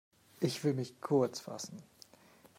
Ich will mich kurz fassen.